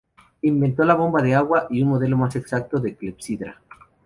Inventó la bomba de agua y un modelo más exacto de clepsidra.